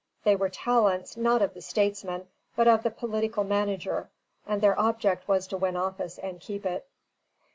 They were talents, not of the statesman, but of the political manager, and their object was to win office and keep it.